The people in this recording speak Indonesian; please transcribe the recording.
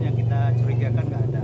ya ceritakan gak ada